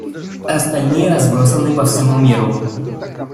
Остальные разбросаны по всему миру.